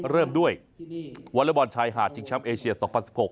เริ่มด้วยวอลเลอร์บอลชายหาดจิงชัมเอเชียส๒๐๑๖